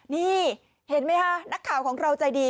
นี่เห็นไหมคะนักข่าวของเราใจดี